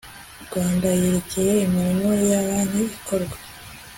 rwanda yerekeye imirimo y amabanki ikorwa